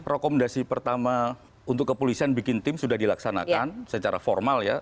rekomendasi pertama untuk kepolisian bikin tim sudah dilaksanakan secara formal ya